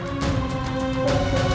dan mengikatnya di lapangan desa